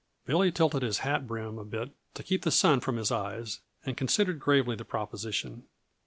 Billy tilted his hat brim a bit to keep the sun from his eyes, and considered gravely the proposition.